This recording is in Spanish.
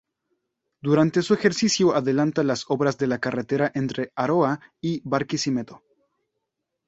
Durante su ejercicio adelanta las obras de la carretera entre Aroa y Barquisimeto.